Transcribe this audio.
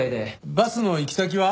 バスの行き先は？